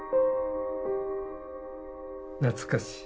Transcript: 懐かしい。